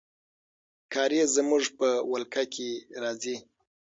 کارېز زموږ په ولکه کې راځي.